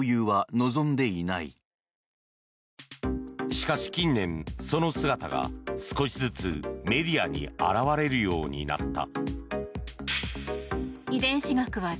しかし近年、その姿が少しずつメディアに現れるようになった。